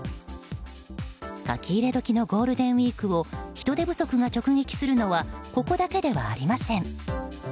書き入れ時のゴールデンウィークを人手不足が直撃するのはここだけではありません。